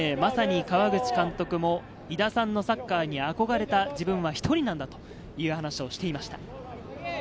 川口監督も井田さんのサッカーに憧れた自分は１人なんだという話をしています。